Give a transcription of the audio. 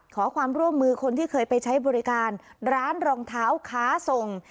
ขอความร่วมมือคนที่เคยไปใช้บริการร้านรองเท้าค้าส่ง